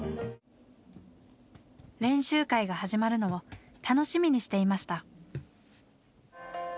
練習会が始まるのを楽しみにしていました。